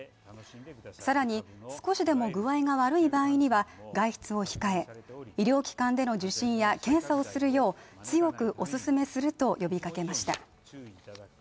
更に、少しでも具合が悪い場合には外出を控え、医療機関での受診や検査をするよう、強くお勧めすると呼びかけました。